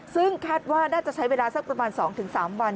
ซึ่งคาดว่าน่าจะใช้เวลาสักประมาณ๒๓วัน